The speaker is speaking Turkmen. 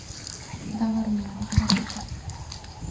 «Dagarmany» çalardy…